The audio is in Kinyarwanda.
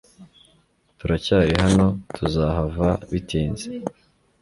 Turacyari hano tuzahava bitinze